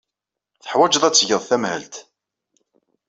Teḥwajeḍ ad tgeḍ tamhelt.